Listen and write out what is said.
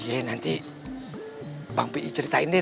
iya nanti bang pi'i ceritain deh